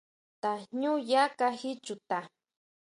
Tajñuña kají chuta.